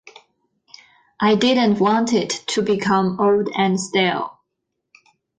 I didn't want it to become old and stale.